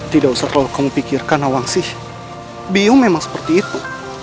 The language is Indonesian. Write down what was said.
tidak usah terlalu kamu pikirkan awang sih bingung memang seperti itu